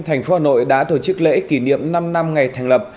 thành phố hà nội đã tổ chức lễ kỷ niệm năm năm ngày thành lập